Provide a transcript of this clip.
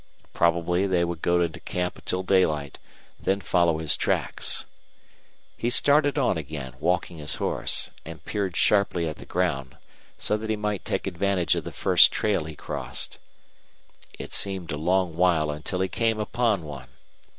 Probably they would go into camp till daylight, then follow his tracks. He started on again, walking his horse, and peered sharply at the ground, so that he might take advantage of the first trail he crossed. It seemed a long while until he came upon one.